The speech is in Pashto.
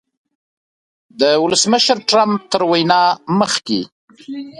د ولسمشر ټرمپ تر وینا مخکې